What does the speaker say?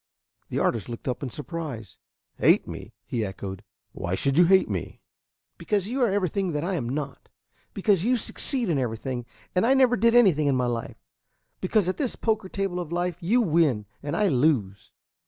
The artist looked up in surprise. "Hate me?" he echoed. "Why should you hate me?" "Because you are everything that I am not; because you succeed in everything and I never did anything in my life; because at this poker table of life you win and I lose."